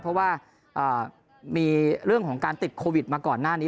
เพราะว่ามีเรื่องของการติดโควิดมาก่อนหน้านี้